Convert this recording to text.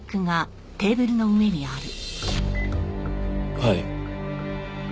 はい。